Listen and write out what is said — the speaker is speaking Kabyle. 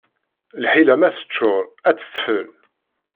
Lḥila ma teččuṛ, ad d-tfel.